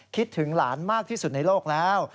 คิดถึงหลานมากที่สุดในโลกแล้ว